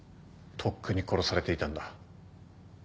とっくに殺されていたんだ。